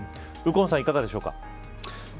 右近さん、いかがでしょうか。